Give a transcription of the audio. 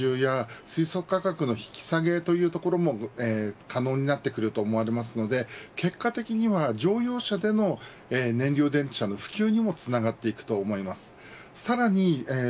商用車で燃料電池車のネットワークが広がれば水素ステーションの拡充や水素価格の引き下げがというところも可能になってくると思われますので結果的には乗用車での燃料電池車の普及にもつながっていくと思います。